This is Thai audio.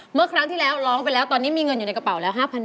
เมื่อครั้งที่แล้วร้องไปแล้วตอนนี้มีเงินอยู่ในกระเป๋าแล้ว๕๐๐บาท